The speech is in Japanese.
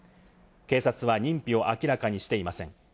警察は認否を明らかにしていません。